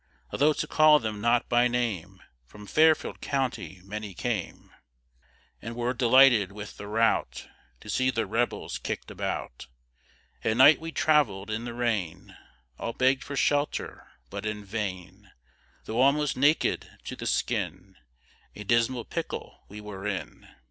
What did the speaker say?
Although to call them not by name, From Fairfield county many came; And were delighted with the rout, To see the rebels kick'd about. At night we travell'd in the rain, All begg'd for shelter, but in vain, Though almost naked to the skin; A dismal pickle we were in.